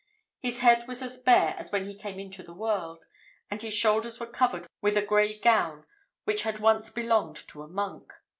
His head was as bare as when he came into the world; and his shoulders were covered with a grey gown which had once belonged to a monk.